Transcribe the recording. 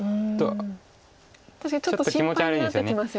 確かにちょっと心配になってきますよね。